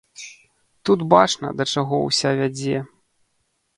Тут бачна, да чаго ўся вядзе.